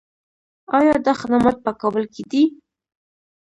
آیا دا خدمات په کابل کې دي؟